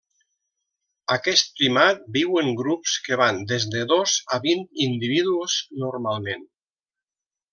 Aquest primat viu en grups que van des de dos a vint individus, normalment.